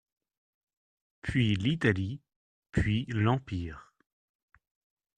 Puis l'Italie, puis l'Empire.